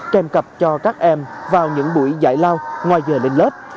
kèm cặp cho các em vào những buổi dạy lao ngoài giờ lên lớp